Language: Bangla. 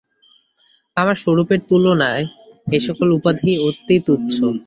আমার স্বরূপের তুললায় এই-সকল উপাধি অতি তুচ্ছ।